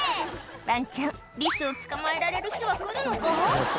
ワンちゃんリスを捕まえられる日は来るのか？